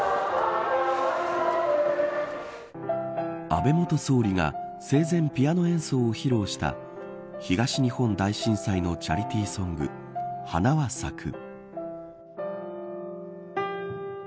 安倍元総理が生前、ピアノ演奏を披露した東日本大震災のチャリティーソング、花は咲く。